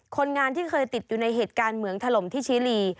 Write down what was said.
คนงานที่เคยติดอยู่ในเหตุการณ์เหมืองถล่มที่ชิลี